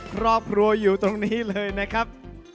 ครอบครัวอยู่ตรงนี้เลยนะครับ